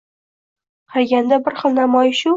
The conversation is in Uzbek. Qaraganda bir xil namoyish-u